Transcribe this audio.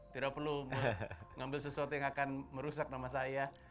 tidak perlu ngambil sesuatu yang akan merusak nama saya